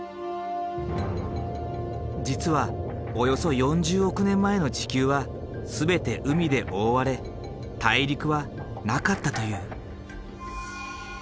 実はおよそ４０億年前の地球は全て海で覆われ大陸はなかったという。